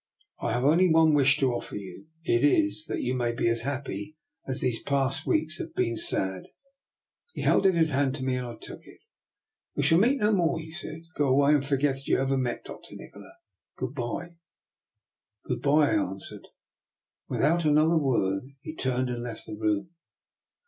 I have only one wish to offer you: it is that you may be as happy as these past weeks have been sad." He held out his hand to me, and I took it. " We shall meet no more," he said. " Go away, and forget that you ever met Dr. Ni kola. Good bye." " Good bye," I answered. Without an other word he turned and left the room.